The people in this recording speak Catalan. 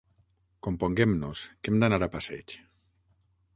Componguem-nos, que hem d'anar a passeig.